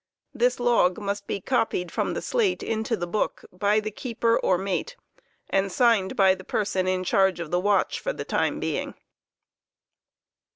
This log must be copied from the slate into the book by the keeper or mate, mmi signed by the person in charge bf the watch for the time being.